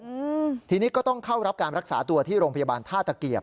อืมทีนี้ก็ต้องเข้ารับการรักษาตัวที่โรงพยาบาลท่าตะเกียบ